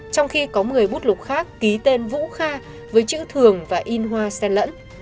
trong khi có một mươi bút lục khác ký tên vũ kha với chữ thường và in hoa sen lẫn